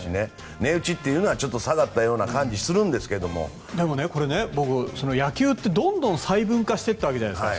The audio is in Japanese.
値打ちは下がったようなでも野球ってどんどん細分化していったわけじゃないですか。